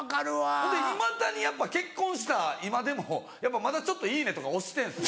ほんでいまだにやっぱ結婚した今でもやっぱまだちょっと「いいね！」とか押してんですよ。